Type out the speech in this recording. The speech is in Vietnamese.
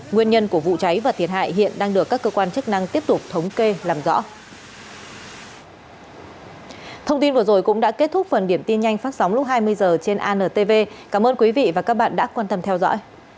nguyên nhân của vụ cháy và thiệt hại hiện đang được các cơ quan chức năng tiếp tục thống kê làm rõ